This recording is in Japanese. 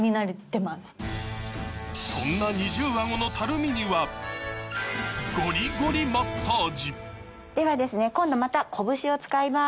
そんな二重アゴのたるみにはゴリゴリマッサージでは今度また拳を使います。